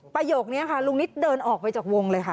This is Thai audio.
ประโยคนี้ค่ะลุงนิดเดินออกไปจากวงเลยค่ะ